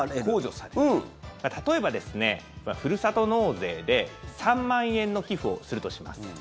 例えばですねふるさと納税で３万円の寄付をするとします。